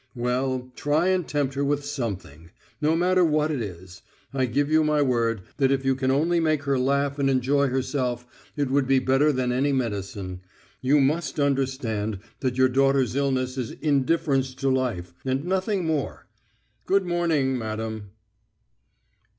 _" "Well, try and tempt her with something.... No matter what it is.... I give you my word that if you can only make her laugh and enjoy herself, it would be better than any medicine. You must understand that your daughter's illness is indifference to life, and nothing more.... Good morning, madam!"